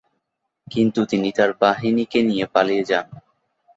কিন্তু তিনি তার বাহিনীকে নিয়ে পালিয়ে যান।